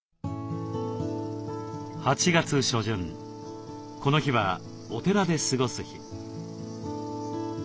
８月初旬この日はお寺で過ごす日。